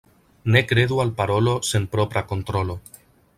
Ne kredu al parolo sen propra kontrolo.